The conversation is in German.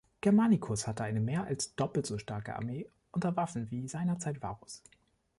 Germanicus hatte eine mehr als doppelt so starke Armee unter Waffen wie seinerzeit Varus.